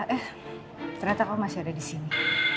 eh ternyata kau masih ada di sini